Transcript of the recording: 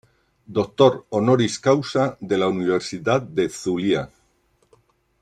Doctor Honoris Causa de la Universidad de Zulia.